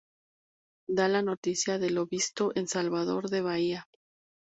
Da la noticia de lo visto en Salvador de Bahía.